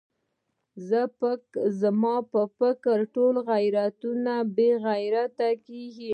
زما په فکر ټول غیرتونه مو بې غیرته کېږي.